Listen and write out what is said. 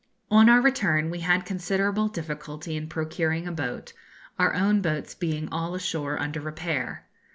On our return we had considerable difficulty in procuring a boat, our own boats being all ashore under repair.